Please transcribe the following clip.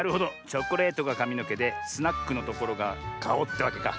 チョコレートがかみのけでスナックのところがかおってわけか。